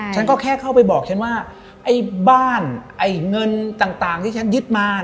ฉันก็แค่เข้าไปบอกฉันว่าไอ้บ้านไอ้เงินต่างที่ฉันยึดมา